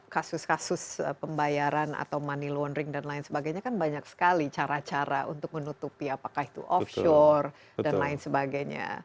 kasus kasus pembayaran atau money laundering dan lain sebagainya kan banyak sekali cara cara untuk menutupi apakah itu offshore dan lain sebagainya